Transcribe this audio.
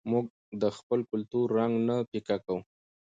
موږ د خپل کلتور رنګ نه پیکه کوو.